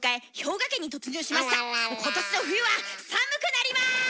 今年の冬は寒くなります！